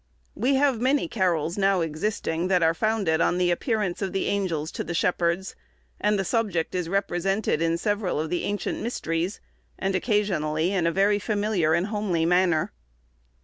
We have many carols now existing, that are founded on the appearance of the angels to the shepherds; and the subject is represented in several of the ancient mysteries, and occasionally in a very familiar and homely manner.